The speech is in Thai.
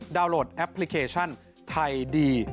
โหลดแอปพลิเคชันไทยดี